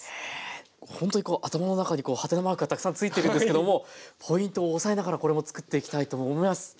ほんとに頭の中にはてなマークがたくさんついてるんですけどもポイントを押さえながらこれもつくっていきたいと思います。